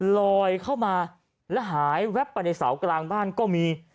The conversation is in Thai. ลอยเข้ามาและหายแวบไปในเสากลางบ้านก็มี